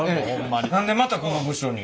何でまたこの部署に？